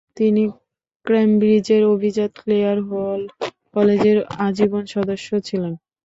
তিনি কেমব্রিজের অভিজাত ক্লেয়ার হল কলেজের আজীবন সদস্য ছিলেন।